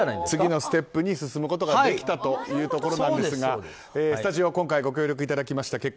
次のステップに進むことができたというところなんですがスタジオにはご協力いただきました